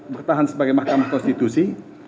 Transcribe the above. bertahan sebagai mahkamah konstitusi